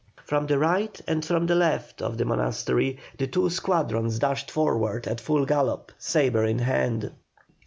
From the right and from the left of the monastery the two squadrons dashed forward at full gallop, sabre in hand.